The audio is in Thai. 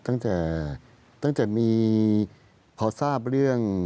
ตั้งแต่ตั้งแต่มีพอทราบเรื่อง